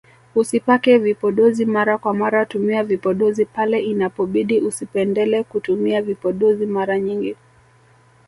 Usipake vipodozi mara kwa mara tumia vipodozi pale inapobidi usipendele kutumia vipodozi mara nyingi